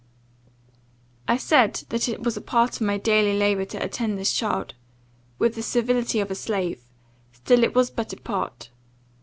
I said that it was a part of my daily labour to attend this child, with the servility of a slave; still it was but a part.